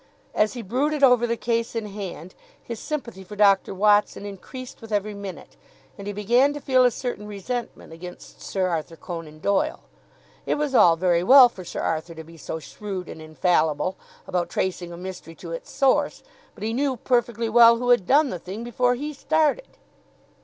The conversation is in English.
As he brooded over the case in hand, his sympathy for Dr. Watson increased with every minute, and he began to feel a certain resentment against Sir Arthur Conan Doyle. It was all very well for Sir Arthur to be so shrewd and infallible about tracing a mystery to its source, but he knew perfectly well who had done the thing before he started!